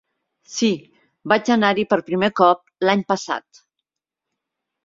Sí, vaig anar-hi per primer cop l'any passat.